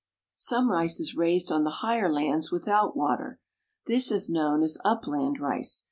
122 THE SOUTH. Some rice is raised on the higher lands without water. This is known as upland rice.